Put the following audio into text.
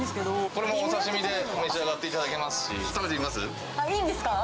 これもお刺身で召し上がっていいんですか？